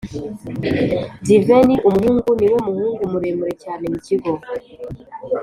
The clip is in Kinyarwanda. Divin ni umuhungu niwe muhungu muremure cyane mukigo